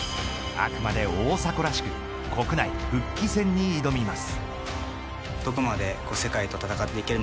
あくまで大迫らしく国内復帰戦に挑みます。